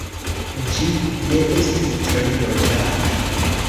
Ĝi ne estis tre loĝata.